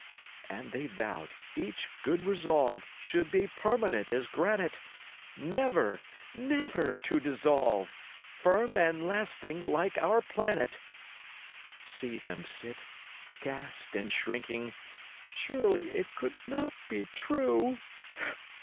And they vowed each good resolve Should be permanent as granite, Never, never, to dissolve, Firm and lasting like our planet. See them sit, aghast and shrinking! Surely it could not be true!